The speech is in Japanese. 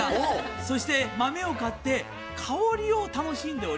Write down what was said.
そして豆を買って香りを楽しんでおります。